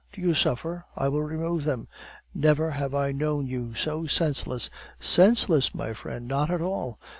Do you suffer? I will remove them." "Never have I known you so senseless " "Senseless, my friend? Not at all.